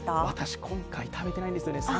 私、今回、食べてないんですよね。